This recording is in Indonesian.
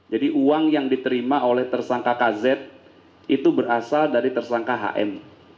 jadi uang yang diterima oleh tersangka kz itu berasal dari tersangka hm